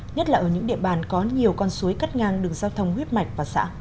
nhất là ở những địa bàn có nhiều con suối cắt ngang đường giao thông huyết mạch và xã